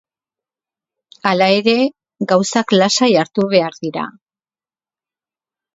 Hala ere, gauzak lasai hartu behar dira.